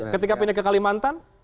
ketika pindah ke kalimantan